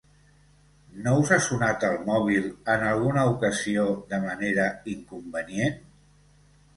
No us ha sonat el mòbil en alguna ocasió de manera inconvenient?